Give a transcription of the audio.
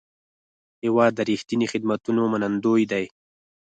هېواد د رښتیني خدمتونو منندوی دی.